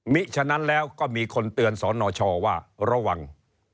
ฉะนั้นแล้วก็มีคนเตือนสนชว่าระวัง